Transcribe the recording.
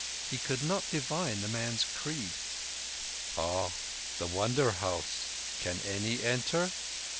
He could not divine the man's creed. "Ah! The Wonder House! Can any enter?"